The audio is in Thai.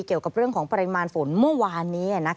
เกี่ยวกับเรื่องของปริมาณฝนเมื่อวานนี้